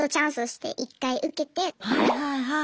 はいはいはい。